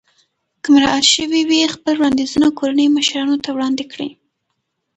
که مراعات شوي وي خپل وړاندیزونه کورنۍ مشرانو ته وړاندې کړئ.